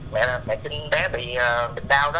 mẹ là mẹ sinh bé bị bệnh cao đó